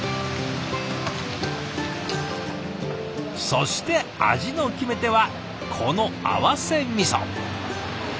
そして味の決め手はこの合わせみそ。